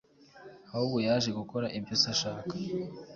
ahubwo yaje gukora ibyo Se ashaka,